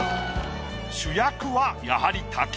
主役はやはり滝。